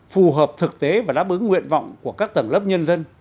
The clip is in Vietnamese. phù hợp thực tế và đáp ứng nguyện vọng của các tầng lớp nhân dân